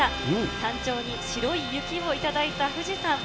山頂に白い雪をいただいた富士山。